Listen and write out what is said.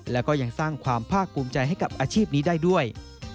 แล้วก็ยังสร้างความภาคภูมิใจให้กับอาชีพนี้ได้ด้วย